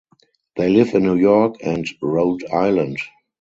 They live in New York and Rhode Island.